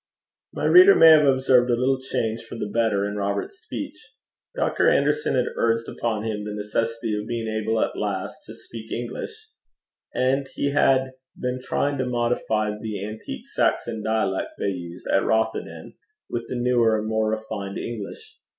My reader may have observed a little change for the better in Robert's speech. Dr. Anderson had urged upon him the necessity of being able at least to speak English; and he had been trying to modify the antique Saxon dialect they used at Rothieden with the newer and more refined English.